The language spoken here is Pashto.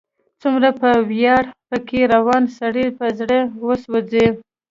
څومره په ویاړ، په کې روان، سړی په زړه وسوځي